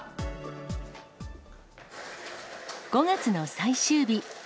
５月の最終日。